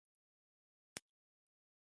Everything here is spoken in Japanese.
富山県砺波市